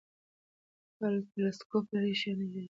ټلسکوپ لرې شیان نږدې ښکاري.